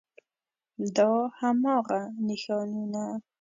دا هماغه نښانونه